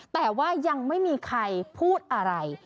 แต่ว่ายังไม่มีใครพูดอะไร